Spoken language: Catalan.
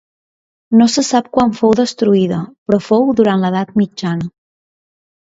No se sap quan fou destruïda, però fou durant l'edat mitjana.